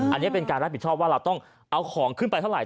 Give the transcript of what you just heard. อันนี้เป็นการรับผิดชอบว่าเราต้องเอาของขึ้นไปเท่าไห